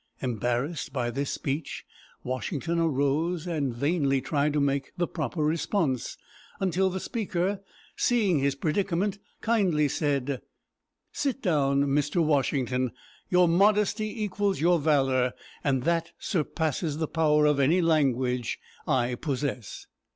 Embarrassed by this speech, Washington arose and vainly tried to make the proper response, until the Speaker, seeing his predicament, kindly said: "Sit down, Mr. Washington; your modesty equals your valor, and that surpasses the power of any language I possess."